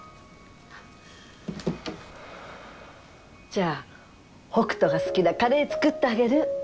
じゃあ北斗が好きなカレー作ってあげる。